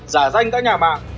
giả danh các nhà mạng